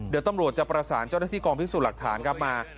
เดี๋ยวตำรวจจะประสานเจ้าหน้าที่กองพิสูจน์หลักฐานครับมา